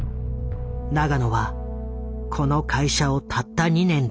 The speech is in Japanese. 永野はこの会社をたった２年で辞めた。